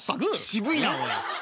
渋いなおい。